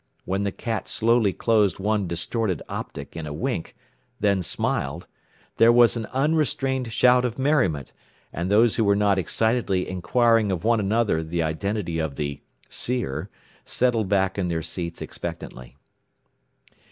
When the cat slowly closed one distorted optic in a wink, then smiled, there was an unrestrained shout of merriment, and those who were not excitedly inquiring of one another the identity of the "seer," settled back in their seats expectantly.